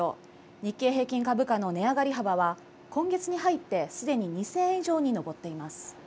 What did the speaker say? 日経平均株価の値上がり幅は今月に入って、すでに２０００円以上に上っています。